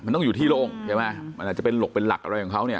มันต้องอยู่ที่โล่งใช่ไหมมันอาจจะเป็นหลกเป็นหลักอะไรของเขาเนี่ย